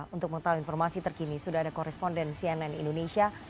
untuk mengetahui informasi terkini sudah ada koresponden cnn indonesia